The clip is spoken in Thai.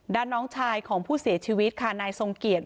น้องชายของผู้เสียชีวิตค่ะนายทรงเกียจ